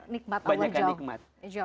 nikmat allah jauh